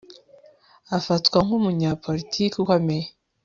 Afatwa nkumunyapolitiki ukomeye